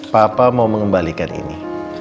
pak mau mengembalikan ini